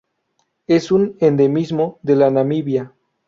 Es un endemismo de Namibia.